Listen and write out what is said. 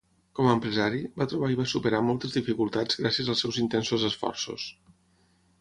Com a empresari, va trobar i va superar moltes dificultats gràcies als seus intensos esforços.